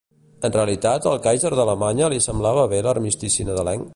En realitat al kàiser d'Alemanya li semblava bé l'armistici nadalenc?